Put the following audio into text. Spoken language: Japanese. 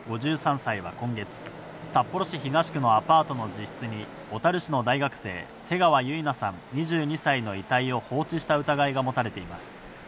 ５３歳は今月、札幌市東区のアパートの自室に小樽市の大学生、瀬川結菜さん２２歳の遺体を放置した疑いが持たれています。